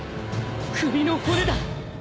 首の骨だ。